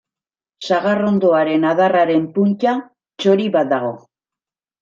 Sagarrondoaren adarraren punta txori bat dago.